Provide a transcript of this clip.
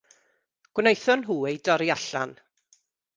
Gwnaethon nhw ei dorri allan.